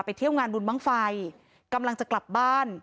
เที่ยวงานบุญบ้างไฟกำลังจะกลับบ้าน